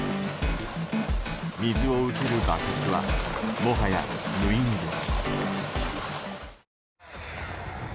水を受けるバケツはもはや無意味です。